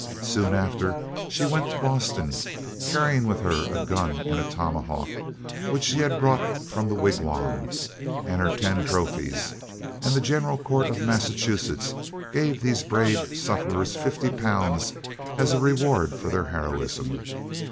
Soon after, she went to Boston, carrying with her a gun and tomahawk, which she had brought from the wigwam, and her ten trophies, and the general court of Massachusetts gave these brave sufferers fifty pounds as a reward for their heroism.